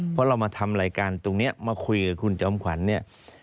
เพราะเรามาทำรายการตรงนี้มาคุยกับคุณจอมขวัญเนี่ย